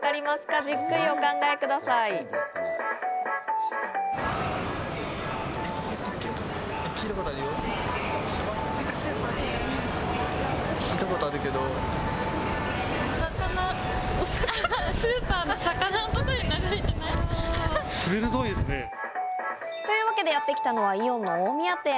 じっくりお考えください。というわけでやってきたのはイオン大宮店。